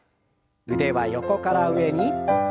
腕は横から上に。